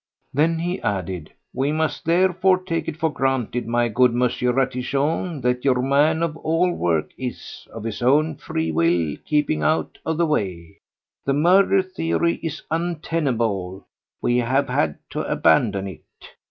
Then he added: "We must therefore take it for granted, my good M. Ratichon, that your man of all work is—of his own free will—keeping out of the way. The murder theory is untenable; we have had to abandon it.